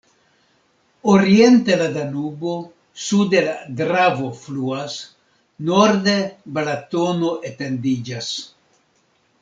Oriente la Danubo, sude la Dravo fluas, norde Balatono etendiĝas.